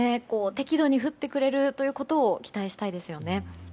適度に降ってくれることを期待したいですよね。